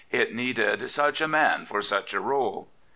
It needed such a man for such a rdle.